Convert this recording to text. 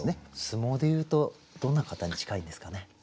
相撲でいうとどんな方に近いですかね？